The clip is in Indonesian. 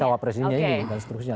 cawa presidennya ini dan seterusnya